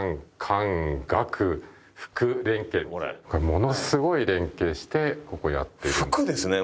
ものすごい連携してここをやってる。